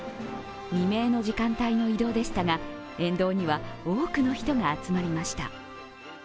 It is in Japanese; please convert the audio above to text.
未明の時間帯の移動でしたが沿道には多くの人が集まりました。